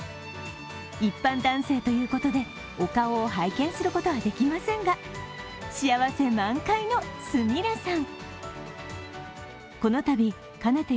一般男性ということで、お顔を拝見することはできませんが幸せ満開のすみれさん。